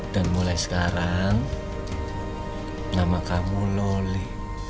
dan mulai sekarang nama kamu loli